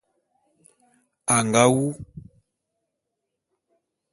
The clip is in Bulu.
A nga wu.